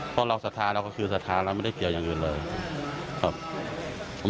พอเราศัฒนาเราก็คือศัฒนาแล้วเราไม่ได้เกี่ยวอย่างอื่นเลยครับ